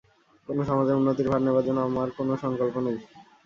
কোনো সমাজের উন্নতির ভার নেবার জন্যে আমার কোনো সংকল্প নেই।